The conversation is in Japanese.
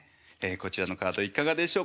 こちらのカードいかがでしょうか？